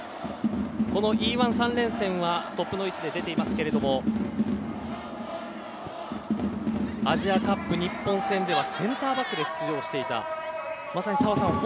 Ｅ‐１、３連戦はトップの位置で出ていますけどアジアカップ日本戦ではセンターバックで出場していたまさに、澤さん